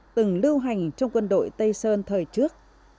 từng lưu hành trong quân đội tây sơn thời trước